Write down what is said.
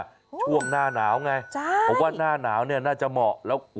ช่วงหน้าหนาวไงเพราะว่าหน้าหนาวน่าจะเหมาะ